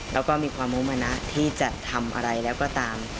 แล้วก็มีความมุมนะที่จะทำอะไรแล้วก็ตาม